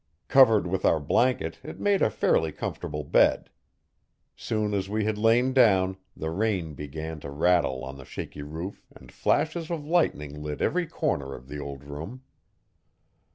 Covered with our blanket it made a fairly comfortable bed. Soon as we had lain down, the rain began to rattle on the shaky roof and flashes of lightning lit every corner of the old room.